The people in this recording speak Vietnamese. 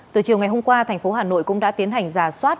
từ chiều ngày hôm qua thành phố hà nội cũng đã tiến hành giả soát